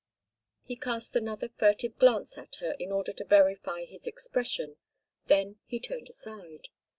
He cast another furtive glance at her in order to verify his expression, then he turned aside.